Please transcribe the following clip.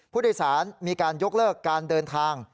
ผู้โดยสารมีการยกเลิกการเดินทาง